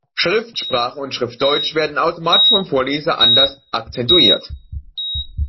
Schriftsprache und Schriftdeutsch werden automatisch vom Vorleser anders akzentuiert.